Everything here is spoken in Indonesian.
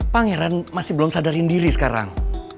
pangeran masih belum sadarin diri sekarang